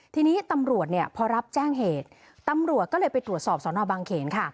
ทีนี้ตำรวจเนี่ยพอรับแจ้งเหตุตำรวจก็เลยไปตรวจสอบสอนอบางเขนค่ะ